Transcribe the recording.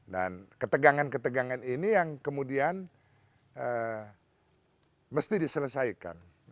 dan ketegangan ketegangan ini yang kemudian mesti diselesaikan